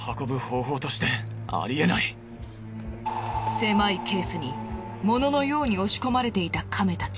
狭いケースに物のように押し込まれていたカメたち。